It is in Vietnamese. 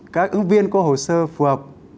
các ứng viên có hồ sơ phù hợp